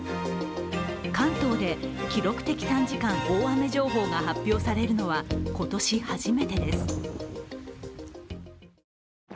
関東で記録的短時間大雨情報が発表されるのは今年初めてです。